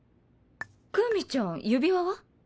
クウミちゃん指輪は？